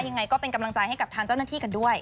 ยังไงก็เป็นกำลังใจให้กับทางเจ้าหน้าที่กันด้วย